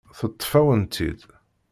Teṭṭef-awen-tt-id.